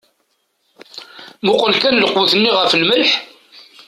Muqel kan lqut-nni ɣef lmelḥ.